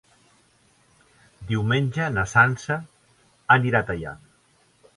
Diumenge na Sança anirà a Teià.